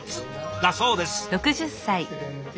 だそうです。